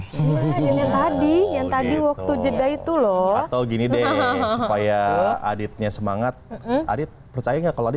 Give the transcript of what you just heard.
yang tadi tadi waktu jeda itu loh atau gini deh supaya adiknya semangat adik percaya nggak kalau